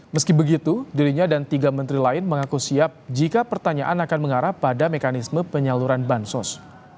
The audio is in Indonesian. meski begitu dirinya dan tiga menteri lain mengaku siap jika pertanyaan akan mengarah pada mekanisme penyaluran bansos